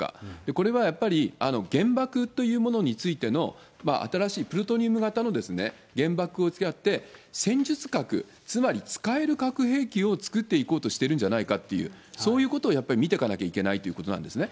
これは原爆というというものについての、新しいプルトニウム型の原爆をやって、戦術核つまり使える核兵器を作っていこうとしてるんじゃないかという、そういうことをやっぱり見てかなきゃいけないということなんですね。